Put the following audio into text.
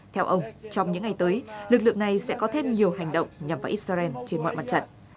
theo ông trong những ngày tới lực lượng này sẽ có thêm nhiều hành động nhằm vào israel trên mọi mặt trận